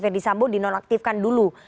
ferdisambo dinonaktifkan dulu